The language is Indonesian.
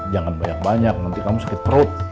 jangan banyak banyak nanti kamu sakit perut